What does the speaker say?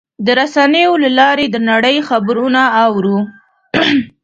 د رسنیو له لارې د نړۍ خبرونه اورو.